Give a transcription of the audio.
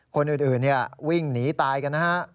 คนอื่นวิ่งหนีตายกันนะฮะ